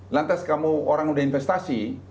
lantas kamu orang udah investasi